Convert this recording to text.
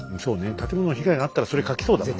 建物の被害があったらそれ書きそうだもんね。